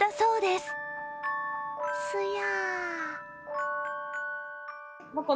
すや。